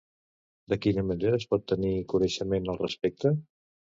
De quina manera es pot tenir coneixement al respecte?